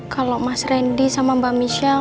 kalau mas rendy sama mbah michelle